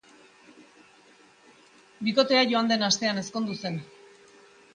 Bikotea pasa den astean ezkondu zen.